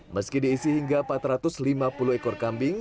meski diisi hingga empat ratus lima puluh ekor kambing